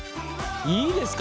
いいですか？